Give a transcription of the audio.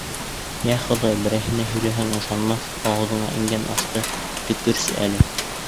— Йә, Хоҙай, берәйһенә һөйләһәң ышанмаҫ, ауыҙға ингән ашты төкөрсө әле.